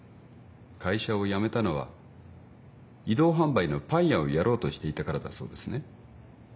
会社を辞めたのは移動販売のパン屋をやろうとしていたからだそうですね。